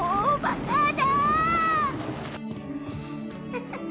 フフフ。